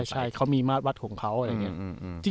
ใช่เขามีมาตรวัดของเขาอะไรอย่างนี้